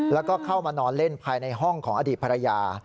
แล้วก็เข้ามานอนเล่นภายในห้องของอดีตภรรยา